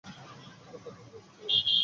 এখন তার পরিবারকে ছেড়ে দাও।